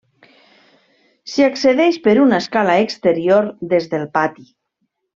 S'hi accedeix per una escala exterior des del pati.